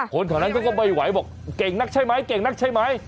คนข้างนั้นก็ก็บ่อยบอกเก่งนักใช่ไหม